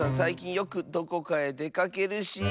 よくどこかへでかけるし。